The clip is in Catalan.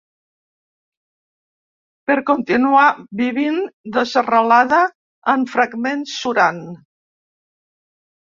Pot continuar vivint desarrelada, en fragments surant.